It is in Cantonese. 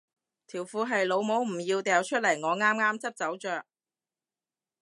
條褲係老母唔要掉出嚟我啱啱執走着